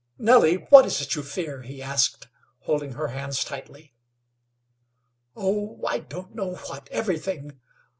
"Nellie, what is it you fear?" he asked, holding her hands tightly. "Oh, I don't know what everything.